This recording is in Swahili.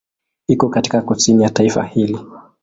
Iko katika kusini ya taifa hili.